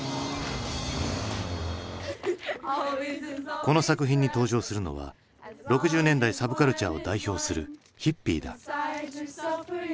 この作品に登場するのは６０年代サブカルチャーを代表するヒッピーだ。